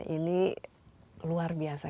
ini luar biasa